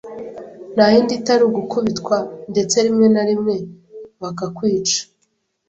Nta yindi itari ugukubitwa, ndetse rimwe na rimwe bakakwica